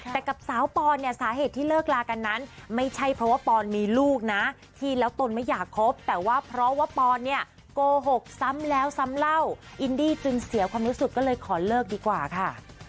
แต่กับสาวปอนเนี่ยสาเหตุที่เลิกลากันนั้นไม่ใช่เพราะว่าปอนมีลูกนะที่แล้วตนไม่อยากคบแต่ว่าเพราะว่าปอนเนี่ยโกหกซ้ำแล้วซ้ำเล่าอินดี้จึงเสียความรู้สึกก็เลยขอเลิกดีกว่าค่ะ